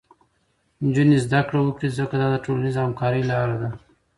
نجونې زده کړه وکړي، ځکه دا د ټولنیزې همکارۍ لاره ده.